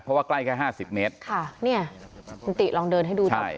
เพราะว่าใกล้แค่ห้าสิบเมตรค่ะเนี่ยคุณติลองเดินให้ดูหน่อย